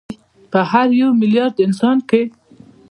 په هر یو میلیارد انسان کې